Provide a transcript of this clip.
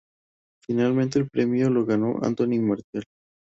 Finalmente el premio lo ganó Anthony Martial.